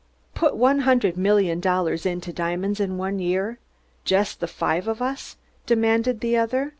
"Put one hundred million dollars into diamonds in one year just the five of us?" demanded the other.